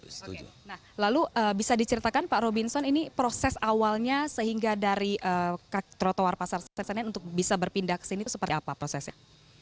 nah lalu bisa diceritakan pak robinson ini proses awalnya sehingga dari trotoar pasar senen untuk bisa berpindah ke sini itu seperti apa prosesnya